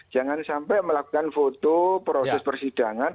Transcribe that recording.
jangan sampai melakukan foto proses persidangan